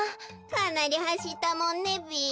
かなりはしったもんねべ。